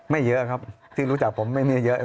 เยอะครับที่รู้จักผมไม่มีเยอะ